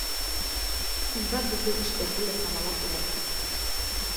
Унда беҙҙең эштәрҙе лә самалап була.